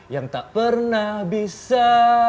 yang tak pernah bisa